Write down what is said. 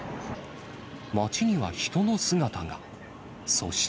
町には人の姿が。